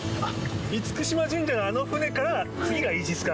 厳島神社のあの船から、次がイージス艦？